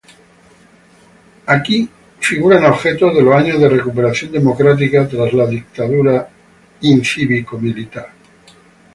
Aquí figuran objetos de los años de recuperación democrática tras la dictadura cívico-militar.